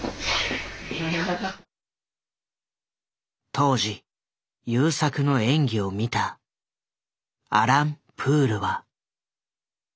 当時優作の演技を見たアラン・プールは。